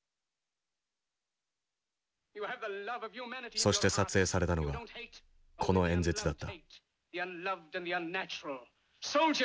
そして撮影されたのがこの演説だった。